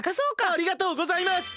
ありがとうございます！